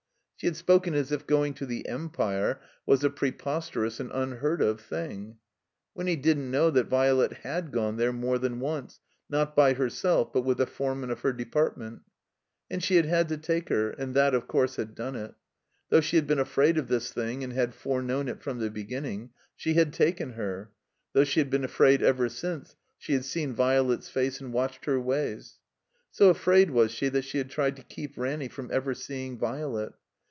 She had spoken as if going to the Empire was a preix)sterous and unheard of thing. Winny didn't know that Violet had gone there more than once, not by herself, but with the foreman of her department. And she had had to take her, and that, of course, had done it. Though she had been afraid of this thing and had foreknown it from the beginning, she had taken her; though she had been afraid ever since she had seen Violet's face and watched her wajrs. So afraid was she that she had tried to keep Ranny from ever seeing Violet.